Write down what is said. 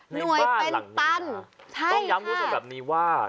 หน่วยเป็นตันใช่ต้องย้ำคุณผู้ชมแบบนี้ว่า